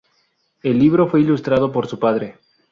El libro fue ilustrado por su padre.